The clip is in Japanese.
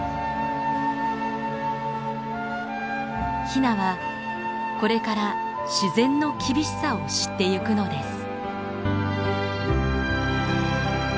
ヒナはこれから自然の厳しさを知ってゆくのです。